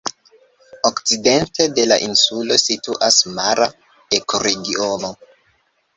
Okcidente de la insulo situas mara ekoregiono.